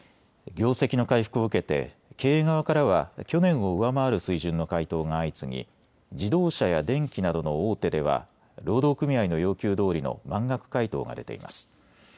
業績の回復を受けて経営側からは去年を上回る水準の回答が相次ぎ自動車や電機などの大手では労働組合の要求どおりの満額回答が出ています。